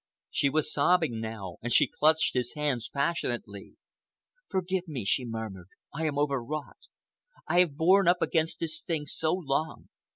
She was sobbing now, and she clutched his hands passionately. "Forgive me," she murmured, "I am overwrought. I have borne up against this thing so long.